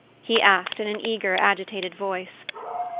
he asked, in an eager, agitated voice.